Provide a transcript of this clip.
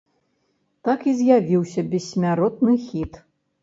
Так і з'явіўся бессмяротны хіт.